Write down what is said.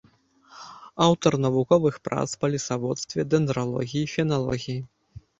Аўтар навуковых прац па лесаводстве, дэндралогіі, феналогіі.